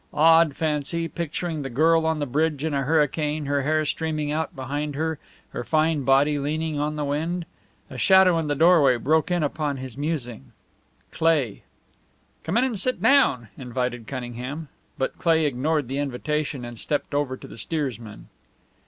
Odd fancy, picturing the girl on the bridge in a hurricane, her hair streaming out behind her, her fine body leaning on the wind. A shadow in the doorway broke in upon this musing. Cleigh. "Come in and sit down," invited Cunningham. But Cleigh ignored the invitation and stepped over to the steersman.